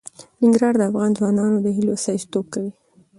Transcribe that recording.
ننګرهار د افغان ځوانانو د هیلو استازیتوب کوي.